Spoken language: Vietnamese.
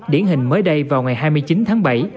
điển hình mới đây vào ngày hai mươi chín tháng bảy